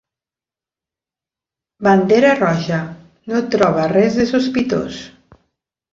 Bandera Roja, no troba res de sospitós.